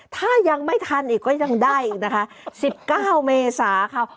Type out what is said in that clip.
ถ้ายังไม่ทันอีกก็ยังได้อีกนะคะ๑๙เมษาค่ะ